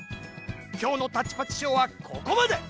きょうの「タッチパッチショー」はここまで！